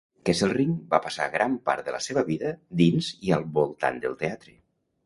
Kesselring va passar gran part de la seva vida dins i al voltant del teatre.